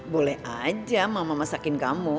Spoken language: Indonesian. boleh aja mama masakin kamu